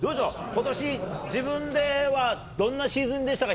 ことし、自分では、どんなシーズンでしたか？